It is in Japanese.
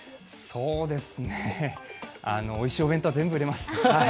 そうですね、おいしいお弁当は全部売れます。